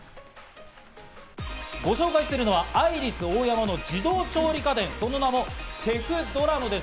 ご紹介するのはアイリスオーヤマの自動調理家電、その名も「ＣＨＥＦＤＲＵＭ」です。